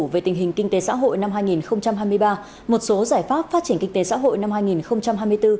về tình hình kinh tế xã hội năm hai nghìn hai mươi ba một số giải pháp phát triển kinh tế xã hội năm hai nghìn hai mươi bốn